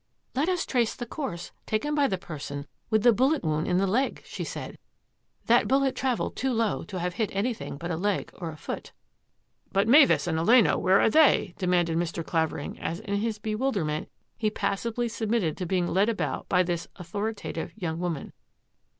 " Let us trace the course taken by the person with the bullet wound in the leg,'' she said. " That bullet travelled too low to have hit any thing but a leg or a foot." " But Mavis and Elena — where are they? " de manded Mr. Clavering, as in his bewilderment he passively submitted to being led about by this authoritative young woman.